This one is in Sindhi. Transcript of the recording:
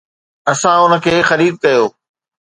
اسان ان کي خريد ڪيو